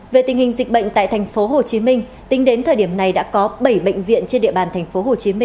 về tình hình dịch bệnh tại tp hcm tính đến thời điểm này đã có bảy bệnh viện trên địa bàn tp hcm